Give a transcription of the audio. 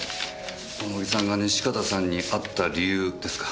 大野木さんが西片さんに会った理由ですか？